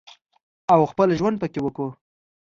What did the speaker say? او خپل ژوند پکې وکړو